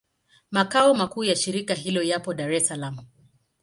Makao makuu ya shirika hilo yapo Dar es Salaam.